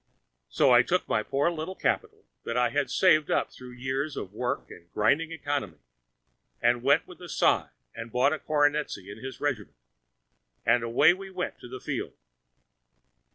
So I took my poor little capital that I had saved up through years of work and grinding economy, and went with a sigh and bought a cornetcy in his regiment, and away we went to the field.